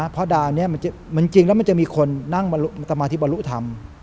เพราะดาวนี้มันจะมีคนนั่งสมาธิบารุธรรม